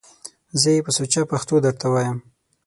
زه یې په سوچه پښتو درته وایم!